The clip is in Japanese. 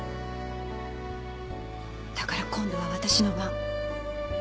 だから今度は私の番。